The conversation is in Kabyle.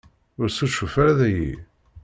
Ur succuf ara dayi.